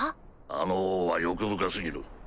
あの王は欲深過ぎる。